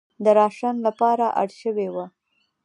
د راشن لپاره اړ شوې وه.